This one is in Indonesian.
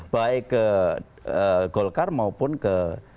baik ke golkar maupun ke